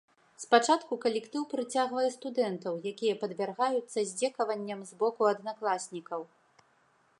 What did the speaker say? Спачатку калектыў прыцягвае студэнтаў, якія падвяргаюцца здзекаванням з боку аднакласнікаў.